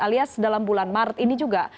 alias dalam bulan maret ini juga